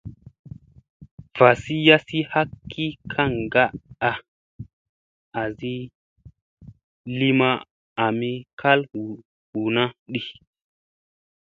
Vasi yassi ha ki kaŋgaa ka a asi wi li ma ami kal huuna di.